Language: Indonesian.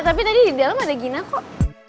tapi tadi di dalam ada gina kok